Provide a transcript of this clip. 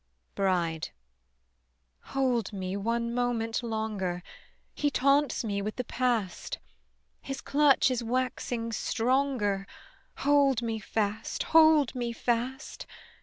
BRIDE. Hold me one moment longer, He taunts me with the past, His clutch is waxing stronger, Hold me fast, hold me fast.